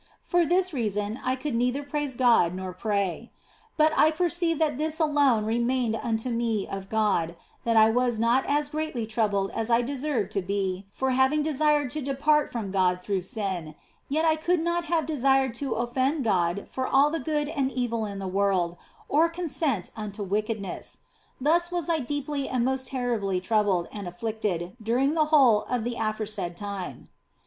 For this reason I could neither praise God nor pray ; but I perceived that this alone remained unto me of God, that I was not as greatly troubled as I deserved to be for having desired to depart from God through sin, yet I could not have desired to offend God for all the good and evil in the world, or consent unto wickedness. Thus was I deeply and most terribly troubled and afflicted during the whole of the aforesaid time.